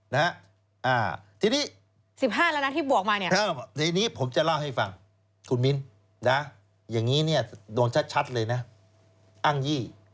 ๑๕แล้วนะที่บวกมาเนี่ยในนี้ผมจะเล่าให้ฟังคุณมิ้นอย่างนี้โดนชัดเลยนะอ้างยี่